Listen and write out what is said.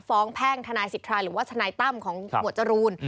ฟ้องแพงธนายสิทธิ์ภายหรือว่าธนายตั้มของหมวดจรูน